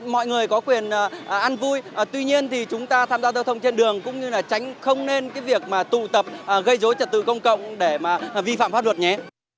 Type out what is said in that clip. mọi người có quyền ăn vui tuy nhiên thì chúng ta tham gia tư thông trên đường cũng như là tránh không nên việc tụ tập gây dối trật tự công cộng để vi phạm pháp luật nhé